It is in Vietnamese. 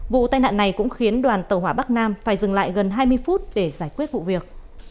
vụ tai nạn này cũng khiến đoàn tàu hỏa bắc nam phải dừng lại gần hai mươi phút để giải quyết vụ việc